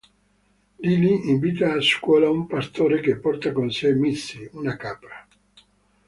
Lily invita a scuola un pastore che porta con sé Missy, una capra.